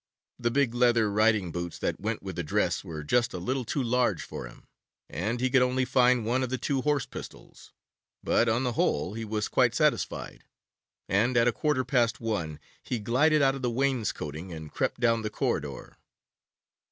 The big leather riding boots that went with the dress were just a little too large for him, and he could only find one of the two horse pistols, but, on the whole, he was quite satisfied, and at a quarter past one he glided out of the wainscoting and crept down the corridor.